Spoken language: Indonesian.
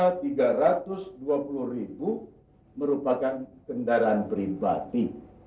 satu ratus dua puluh ribu merupakan kendaraan pribadi